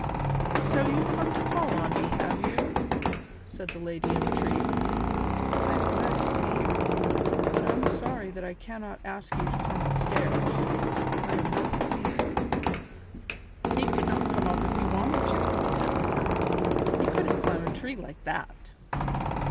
"So you have come to call on me, have you?" said the lady in the tree. "I am glad to see you, but I'm sorry that I cannot ask you to come upstairs. I am not receiving." "He could not come up if he wanted to," said Lena; "he couldn't climb a tree like that."